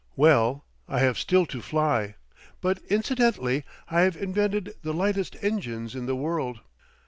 Well, I have still to fly; but incidentally I have invented the lightest engines in the world.